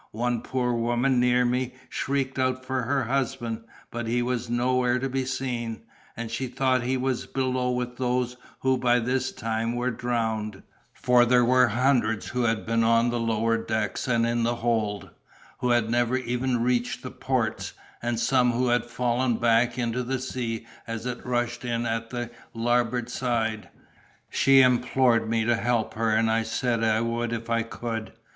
One poor woman near me shrieked out for her husband, but he was nowhere to be seen, and she thought that he was below with those who by this time were drowned; for there were hundreds who had been on the lower decks, and in the hold, who had never even reached the ports, and some who had fallen back into the sea as it rushed in at the larboard side. She implored me to help her, and I said I would if I could.